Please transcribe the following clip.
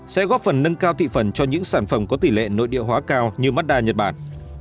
sẽ góp phần nâng cao thị phần cho những sản phẩm có tỷ lệ nội địa hóa cao như mazda nhật bản